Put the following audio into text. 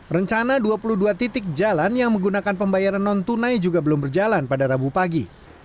rencana dua puluh dua titik jalan yang menggunakan pembayaran non tunai juga belum berjalan pada rabu pagi